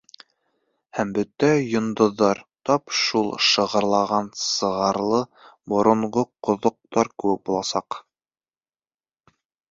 Һәм бөтә йондоҙҙар тап шул шығырлаған сығырлы боронғо ҡоҙоҡтар кеүек буласаҡ.